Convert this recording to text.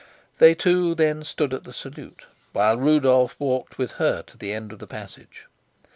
They two then stood at the salute, while Rudolf walked with her to the end of the passage.